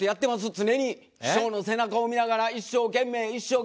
常に師匠の背中を見ながら一生懸命一生懸命。